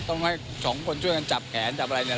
ต้องให้สองคนช่วยกันจับแขนจับอะไรเนี่ย